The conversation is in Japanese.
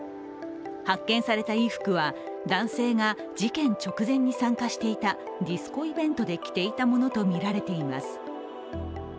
発見された衣服は男性が事件直前に参加していたディスコイベントで着ていたものとみられています。